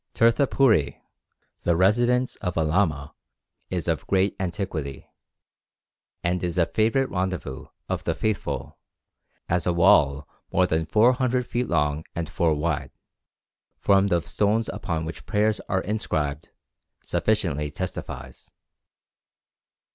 Tirthapuri, the residence of a lama, is of great antiquity, and is a favourite rendezvous for the faithful, as a wall more than 400 feet long and four wide, formed of stones upon which prayers are inscribed, sufficiently testifies.